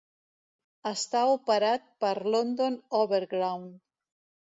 Està operat per London Overground.